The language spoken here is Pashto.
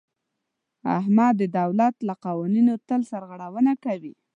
احمد د دولت له قوانینو تل سرغړونه کوي.